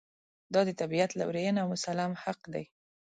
دا د طبعیت لورېینه او مسلم حق دی.